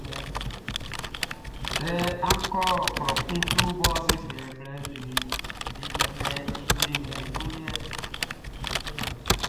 Sɛ amun kɔ klɔ kun mɔ be fa klenzua be kpɛkpɛ ayre nɲaʼm be nunʼn, amun yo cɛ.